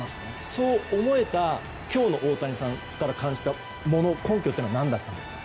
そう思えた今日の大谷さんから感じたもの根拠は何ですか？